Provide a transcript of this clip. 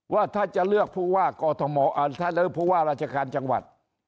ว่าถ้าจะเลือกผู้ว่ากอทมถ้าเลือกผู้ว่าราชการจังหวัด